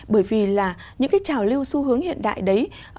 bởi vì là những cái trào lưu xu hướng hiện đại đấy